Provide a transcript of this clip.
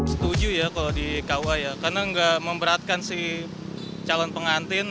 setuju ya kalau di kua ya karena nggak memberatkan si calon pengantin